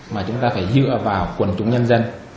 mà chúng ta phải dựa vào quần chúng nhân dân